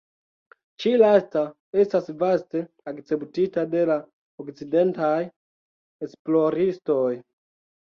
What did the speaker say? Ĉi-lasta estas vaste akceptita de la okcidentaj esploristoj.